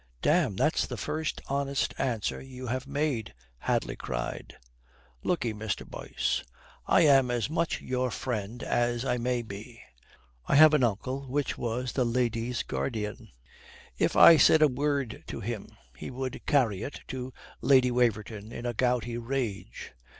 "Damme, that's the first honest answer you have made," Hadley cried. "Look 'e, Mr. Boyce, I am as much your friend as I may be. I have an uncle which was the lady's guardian. If I said a word to him he would carry it to Lady Waverton in a gouty rage.